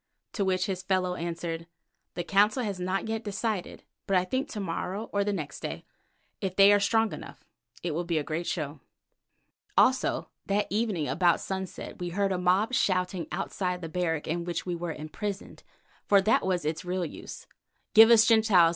to which his fellow answered, "The Council has not yet decided, but I think to morrow or the next day, if they are strong enough. It will be a great show." Also that evening, about sunset, we heard a mob shouting outside the barrack in which we were imprisoned, for that was its real use, "Give us the Gentiles!